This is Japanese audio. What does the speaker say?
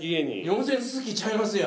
温泉好きちゃいますやん。